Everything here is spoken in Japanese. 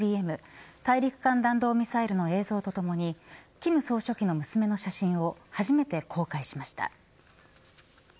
大陸間弾道ミサイルの映像と共に金総書記の娘の写真を初めて公開しました。